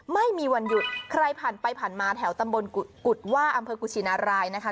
ไม่มีวันหยุดใครผ่านไปผ่านมาแถวตำบลกุฎว่าอำเภอกุชินารายนะคะ